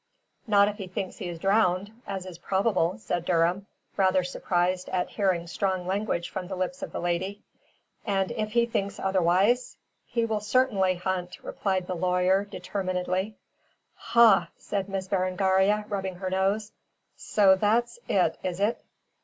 "Not if he thinks he is drowned, as is probable," said Durham, rather surprised at hearing strong language from the lips of the lady. "And if he thinks otherwise?" "He will certainly hunt," replied the lawyer determinedly. "Ha!" said Miss Berengaria, rubbing her nose. "So that's it, is it?"